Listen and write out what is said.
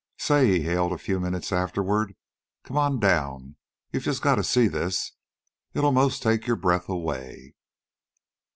"Say," he hailed a few minutes afterward. "Come on down. You just gotta see this. It'll 'most take your breath away."